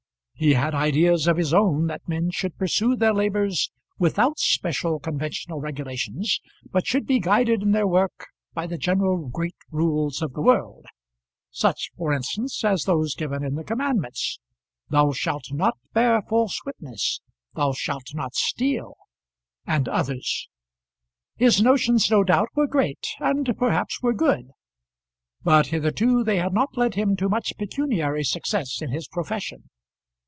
He had ideas of his own that men should pursue their labours without special conventional regulations, but should be guided in their work by the general great rules of the world, such for instance as those given in the commandments: Thou shalt not bear false witness; Thou shalt not steal; and others. His notions no doubt were great, and perhaps were good; but hitherto they had not led him to much pecuniary success in his profession.